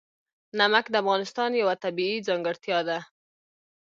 نمک د افغانستان یوه طبیعي ځانګړتیا ده.